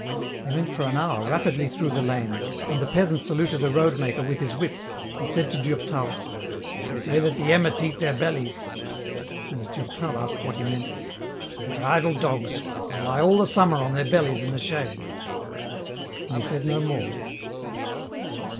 They went for an hour rapidly through the lanes, and the peasant saluted a roadmaker with his whip, and said to Durtal, " They say that the emmets eat their bellies." And as Durtal asked what he meant, " They are idle dogs, they lie all the summer on their bellies in the shade." And he said no more.